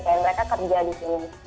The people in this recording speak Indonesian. kayak mereka kerja di sini